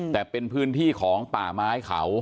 แต่เป็นพื้นที่ของป่าไม้เขา